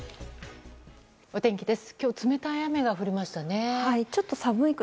お天気です。